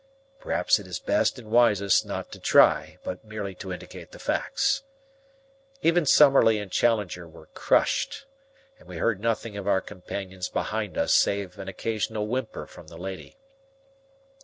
Perhaps it is best and wisest not to try, but merely to indicate the facts. Even Summerlee and Challenger were crushed, and we heard nothing of our companions behind us save an occasional whimper from the lady.